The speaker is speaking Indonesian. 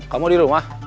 kamu di rumah